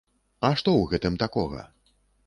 А што ў гэтым такога!?